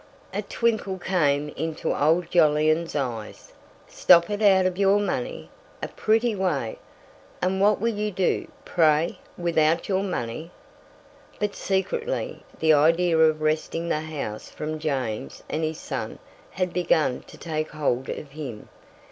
A twinkle came into old Jolyon's eyes. "Stop it out of your money! A pretty way. And what will you do, pray, without your money?" But secretly, the idea of wresting the house from James and his son had begun to take hold of him.